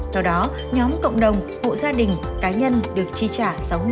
sau đó nhóm cộng đồng hộ gia đình cá nhân được chi trả sáu mươi tám bốn